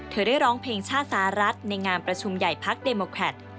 เธอได้ร้องเพลงชาติศาสตร์รัฐในงามประชุมใหญ่พลักษณ์เดมอครัฐ